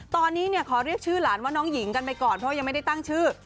ตอนนี้ขอเรียกชื่อหลานว่าน้องหญิงกันไปก่อนเพราะยังไม่ได้ตั้งชื่อ